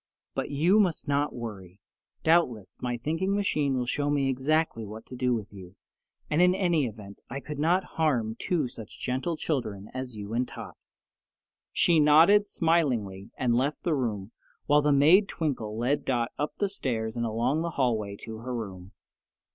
But you must not worry. Doubtless, my thinking machine will show me exactly what to do with you, and in any event I could not harm two such gentle children as you and Tot." She nodded smilingly and left the room, while the maid Twinkle led Dot up the stairs and along the hallway to her room.